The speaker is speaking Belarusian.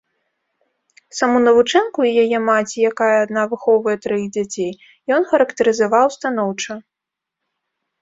Саму навучэнку і яе маці, якая адна выхоўвае траіх дзяцей, ён характарызаваў станоўча.